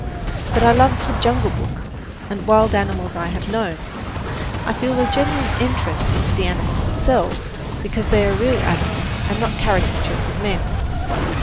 But I love "The Jungle Book" and "Wild Animals I Have Known." I feel a genuine interest in the animals themselves, because they are real animals and not caricatures of men.